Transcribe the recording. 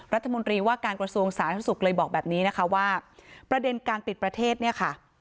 รัฐมนตรีว่าการกระทรวงสาธารณสุขเลยบอกแบบนี้นะคะว่าประเด็นการปิดประเทศเนี่ยค่ะ